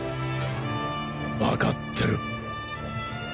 分かってる。